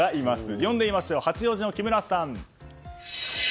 呼んでみましょう八王子の木村さん！